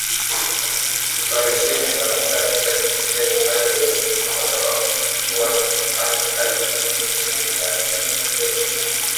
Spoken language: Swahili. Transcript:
Operesheni za Wachache wa jinsia Uganda zimesitishwa kwa sababu zilikuwa zikifanya kazi kinyume cha sheria, Stephen Okello.